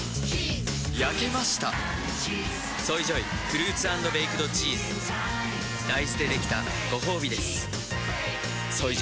焼けました「ＳＯＹＪＯＹフルーツ＆ベイクドチーズ」あれいいですかそうだい